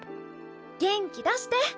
元気出して！